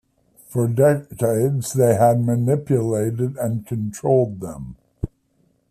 For decades they had manipulated and controlled them.